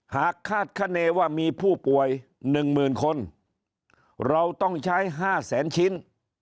หากคาดคณว่ามีผู้ป่วยหนึ่งหมื่นคนเราต้องใช้ห้าแสนชิ้น